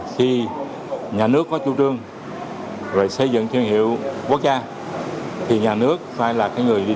khi nhà nước có chủ trương rồi xây dựng thương hiệu quốc gia thì nhà nước phải là cái người